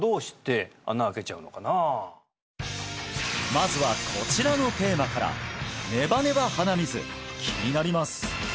まずはこちらのテーマからネバネバ鼻水気になります